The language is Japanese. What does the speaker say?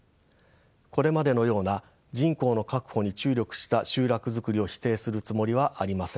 これまでのような人口の確保に注力した集落づくりを否定するつもりはありません。